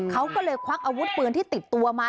เขาก็เลยควักอาวุธปืนที่ติดตัวมา